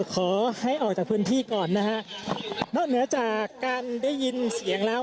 ขอให้ออกจากพื้นที่ก่อนนะฮะนอกเหนือจากการได้ยินเสียงแล้ว